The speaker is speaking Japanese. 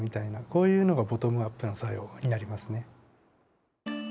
こういうのがボトムアップの作用になりますね。